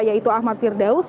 yaitu ahmad firdaus